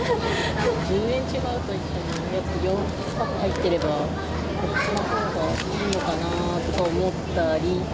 １０円違うとはいえ、４パック入っていれば、こっちのほうがいいのかなとか思ったり。